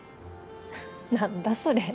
何だそれ！